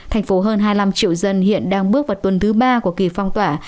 thành phố hơn hai mươi năm triệu dân hiện đang bước vào tuần thứ ba của kỳ phong tỏa